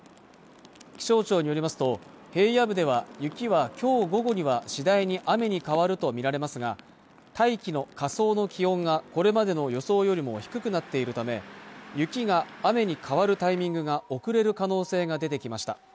気象庁によりますと平野部では雪はきょう午後には次第に雨に変わると見られますが大気の下層の気温がこれまでの予想よりも低くなっているため雪が雨に変わるタイミングが遅れる可能性が出てきました